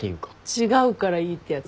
違うからいいってやつだ。